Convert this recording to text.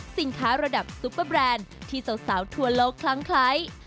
สินค้าระดับซุปเปอร์แบรนด์ที่สาวทัวร์โลกคล้างคล้าย